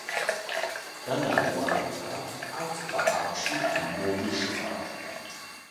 Kanan wataqa achka akshutam murushaq.